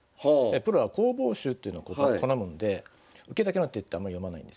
プロは攻防手というのを好むんで受けだけの手ってあんま読まないんですよ。